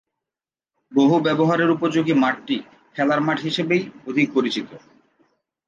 বহু-ব্যবহারের উপযোগী মাঠটি খেলার মাঠ হিসেবেই অধিক পরিচিত।